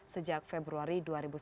sejak februari dua ribu sembilan belas